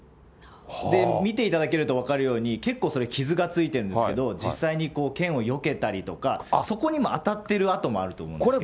で、見ていただけると分かるように、結構、それ傷がついているんですけれども、実際に剣をよけたりとか、そこにも当たっている跡もあると思うんですけども。